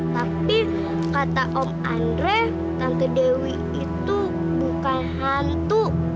tapi kata om andre tante dewi itu bukan hantu